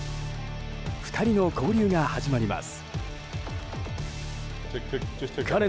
２人の交流が始まります。